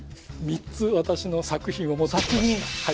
３つ私の作品を持ってきました